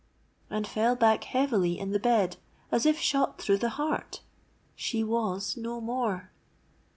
and fell back heavily in the bed, as if shot through the heart. She was no more!